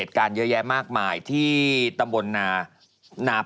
พระพุทธรูปสูงเก้าชั้นหมายความว่าสูงเก้าชั้น